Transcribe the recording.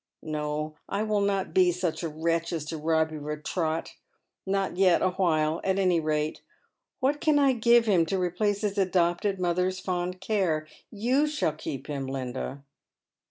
No, I will not be such a wretch as to rob you of Ti'ot — not } et awhile, at any rate. What can I give him to replace his adopted mother's fond care ? You shall keep him, Linda."